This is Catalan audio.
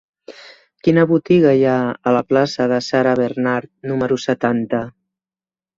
Quina botiga hi ha a la plaça de Sarah Bernhardt número setanta?